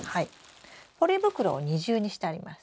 ポリ袋を二重にしてあります。